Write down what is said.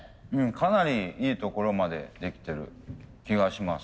かなりいいところまでできてる気がします。